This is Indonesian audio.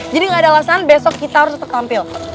jadi ga ada alasan besok kita harus tetep tampil